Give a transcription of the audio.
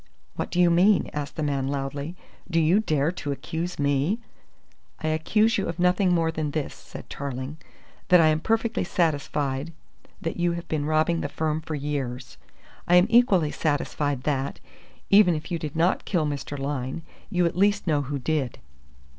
"What do you mean?" asked the man loudly. "Do you dare to accuse me ?" "I accuse you of nothing more than this," said Tarling, "that I am perfectly satisfied that you have been robbing the firm for years. I am equally satisfied that, even if you did not kill Mr. Lyne, you at least know who did."